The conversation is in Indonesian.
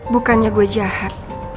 bukannya gue jahat